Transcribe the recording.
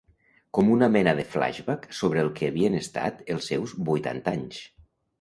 Com una mena de flash-back sobre el que havien estat els seus vuitanta anys.